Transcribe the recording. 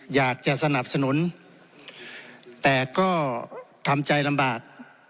อยากจะสนับสนุนแต่ก็ทำใจลำบาก